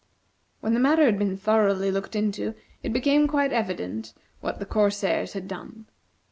When the matter had been thoroughly looked into, it became quite evident what the corsairs had done.